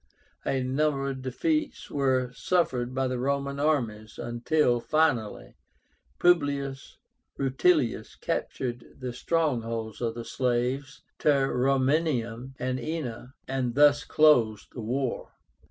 A number of defeats were suffered by the Roman armies, until, finally, PUBLIUS RUTILIUS captured the strongholds of the slaves, TAUROMENIUM and ENNA, and thus closed the war.